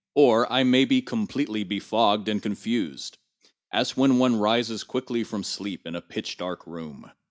Or I may be completely befogged and confused, as when one rises quickly from sleep in a pitch dark room.